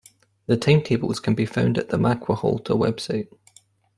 The timetables can be found at the Matkahuolto web site.